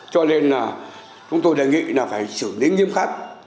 cho nên là chúng tôi đề nghị là phải xử lý nghiêm khắc